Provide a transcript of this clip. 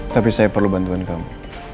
tapi saya perlu bantuan kamu